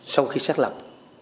sau khi xác lập